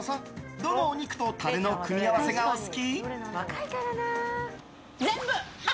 どのお肉とタレの組み合わせがお好き？